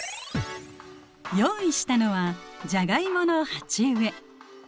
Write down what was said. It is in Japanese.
用意したのはジャガイモの鉢植え。